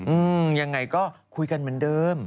อืมยังไงก็คุยกันเหมือนเดิม